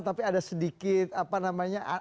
tapi ada sedikit apa namanya